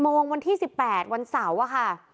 โมงวันที่๑๘วันเสาร์ค่ะ